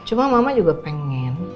cuma mama juga pengen